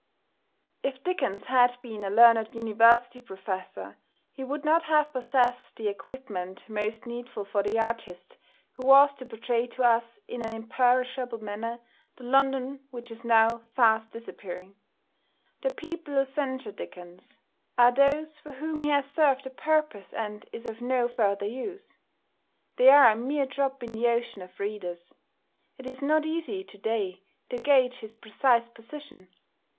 If Dickens had been a learned University Professor he would not have possessed the equipment most needful for the artist who was to portray to us in an imperishable manner the London which is now fast disappearing. The people who censure Dickens are those for whom he has served a purpose and is of no further use. They are a mere drop in the ocean of readers. It is not easy to day to gauge his precise position.